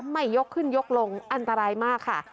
ไม่ยกขึ้นยกลงอันตรายมากค่ะ